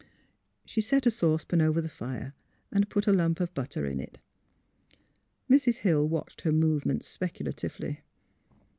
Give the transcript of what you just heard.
She set a saucepan over the fire and put a lump of butter in it. Mrs. Hill watched her movements specula tively.